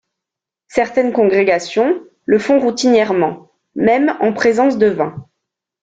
Certaines congrégations le font routinièrement, même en présence de vin.